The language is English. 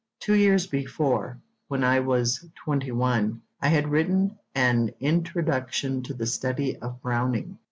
Two years before, when I was twenty one, I had written an Introduction to the Study of Browning.